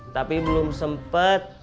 tapi belum sempet